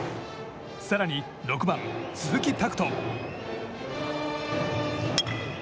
更に６番、鈴木拓斗。